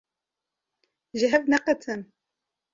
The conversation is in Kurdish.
Ji hev neqetin!